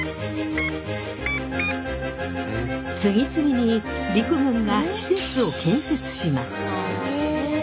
次々に陸軍が施設を建設します。